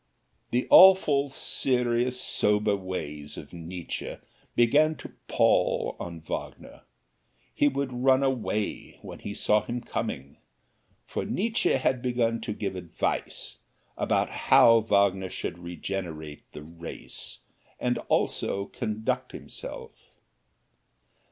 The awful, serious, sober ways of Nietzsche began to pall on Wagner he would run away when he saw him coming, for Nietzsche had begun to give advice about how Wagner should regenerate the race, and also conduct himself.